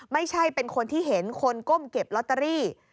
ไม่ใช่เป็นคนที่เห็นคนก้มเก็บลอตเตอรี่